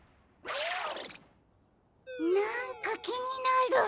なんかきになる。